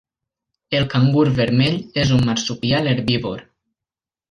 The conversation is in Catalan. El cangur vermell és un marsupial herbívor.